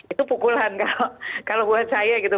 itu pukulan kalau buat saya gitu